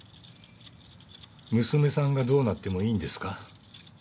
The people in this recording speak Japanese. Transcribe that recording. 娘さんがどうなってもいいんですか？